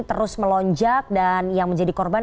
terus melonjak dan yang menjadi korban